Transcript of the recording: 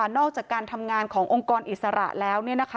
นอกจากการทำงานขององค์กรอิสระแล้ว